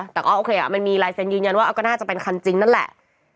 แต่ก็โอเคมันมีลายเซ็นยืนยันว่าก็น่าจะเป็นคันจริงนั่นแหละ